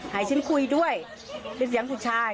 ให้ฉันคุยด้วยเป็นเสียงผู้ชาย